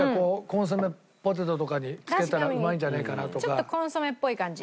ちょっとコンソメっぽい感じ。